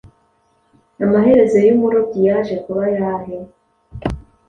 Amaherezo y’umurobyi yaje kuba ayahe?